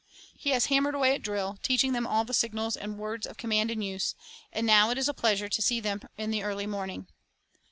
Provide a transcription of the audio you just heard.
He has hammered away at drill, teaching them all the signals and words of command in use, and now it is a pleasure to see them in the early morning.